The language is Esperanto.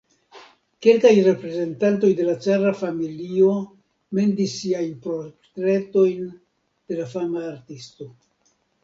Kelkaj reprezentantoj de la cara familio mendis siajn portretojn de la fama artisto.